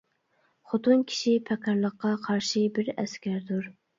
-خوتۇن كىشى پېقىرلىققا قارشى بىر ئەسكەر دۇر.